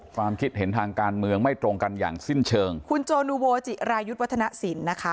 ความคิดเห็นทางการเมืองไม่ตรงกันอย่างสิ้นเชิงคุณโจนูโวจิรายุทธ์วัฒนศิลป์นะคะ